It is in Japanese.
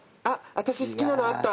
私好きなのあった。